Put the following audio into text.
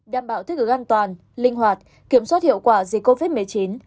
đảm bảo thích ứng an toàn linh hoạt kiểm soát hiệu quả dịch covid một mươi chín